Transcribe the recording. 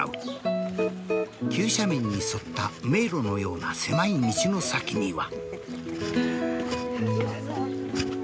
急斜面に沿った迷路のような狭い道の先には。